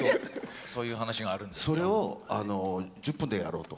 それを１０分でやろうと。